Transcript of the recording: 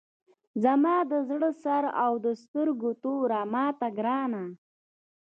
زما د زړه سر او د سترګو توره ماته ګرانه!